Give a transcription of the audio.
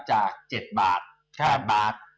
จาก๗บาท